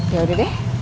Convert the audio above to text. ya udah deh